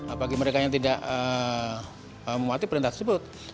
apalagi mereka yang tidak menguati perintah tersebut